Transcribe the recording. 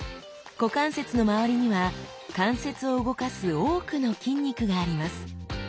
股関節のまわりには関節を動かす多くの筋肉があります。